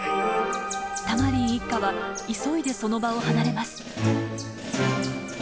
タマリン一家は急いでその場を離れます。